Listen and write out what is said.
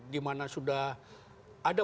di mana sudah ada